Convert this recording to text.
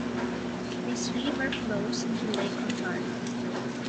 This river flows into Lake Ontario